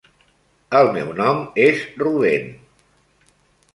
El meu nom és Rubén.